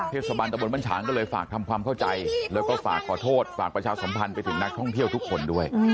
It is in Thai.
เทศบาลตะบนบ้านฉางก็เลยฝากทำความเข้าใจแล้วก็ฝากขอโทษฝากประชาสัมพันธ์ไปถึงนักท่องเที่ยวทุกคนด้วย